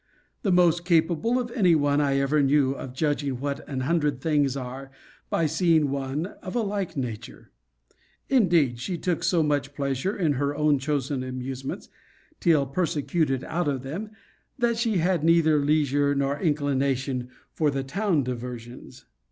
The most capable of any one I ever knew of judging what an hundred things are, by seeing one of a like nature. Indeed she took so much pleasure in her own chosen amusements, till persecuted out of them, that she had neither leisure nor inclination for the town diversions.